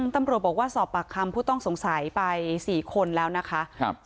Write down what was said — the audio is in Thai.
ตำรวจบอกว่าสอบปากคำผู้ต้องสงสัยไป๔คนแล้วนะคะ